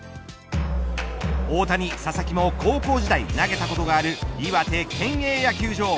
大谷、佐々木も高校時代投げたことがある岩手県営野球場。